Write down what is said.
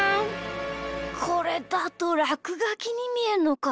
これだとらくがきにみえるのか。